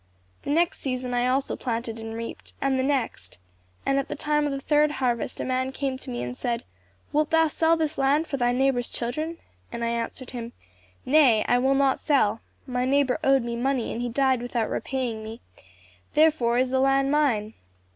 The next season I also planted and reaped, and the next; and at the time of the third harvest a man came to me and said, 'Wilt thou sell this land for thy neighbor's children?' and I answered him 'Nay, I will not sell. My neighbor owed me money and he died without repaying me, therefore is the land mine!